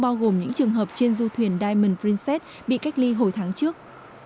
bao gồm những trường hợp trên du thuyền diamond princess bị cách ly hồi tháng trước